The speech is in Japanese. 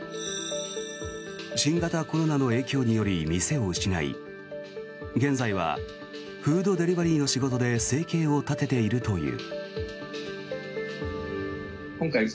新型コロナの影響により店を失い現在はフードデリバリーの仕事で生計を立てているという。